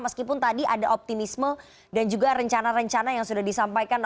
meskipun tadi ada optimisme dan juga rencana rencana yang sudah disampaikan